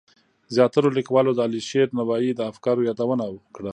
زیاترو لیکوالو د علیشیر نوایی د افکارو یادونه کړه.